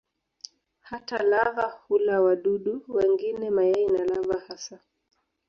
Hata lava hula wadudu wengine, mayai na lava hasa.